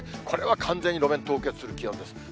これは完全に路面凍結する気温です。